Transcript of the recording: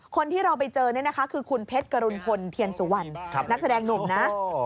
คนที่เราไปเจอนี่นะคะคือคุณเพชรกรุณพลเทียนสุวรรณนักแสดงหนุ่มนะ